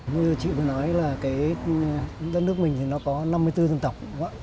như chị vừa nói là cái đất nước mình thì nó có năm mươi bốn dân tộc